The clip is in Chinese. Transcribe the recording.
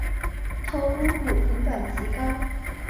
头颅骨很短及高。